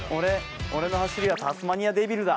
俺の走りはタスマニアデビルだ。